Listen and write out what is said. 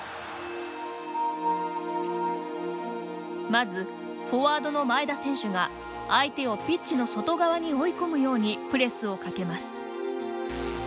まずフォワードの前田選手が相手をピッチの外側に追い込むようにプレスをかけます。